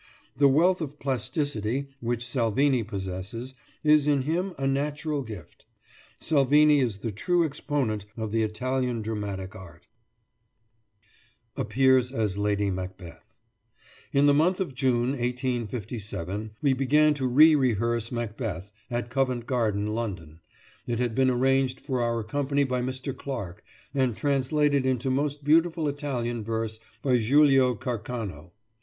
The wealth of plasticity which Salvini possesses, is in him, a natural gift. Salvini is the true exponent of the Italian dramatic art APPEARS AS LADY MACBETH In the month of June, 1857, we began to rerehearse "Macbeth," at Covent Garden, London, It had been arranged for our company by Mr. Clarke, and translated into most beautiful Italian verse by Giulio Carcano.